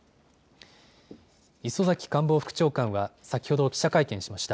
磯崎官房副長官は先ほど記者会見しました。